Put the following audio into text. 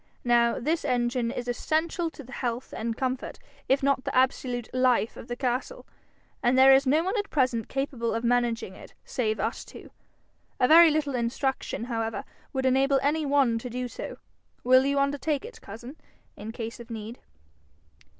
Now this engine is essential to the health and comfort, if not to the absolute life of the castle, and there is no one at present capable of managing it save us two. A very little instruction, however, would enable any one to do so: will you undertake it, cousin, in case of need?'